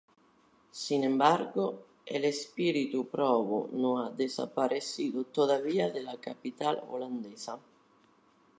Sin embargo, el espíritu "provo" no ha desaparecido todavía de la capital holandesa.